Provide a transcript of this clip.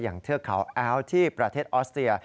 อย่างเทือกเขาเอลที่ประเทศออสเตีย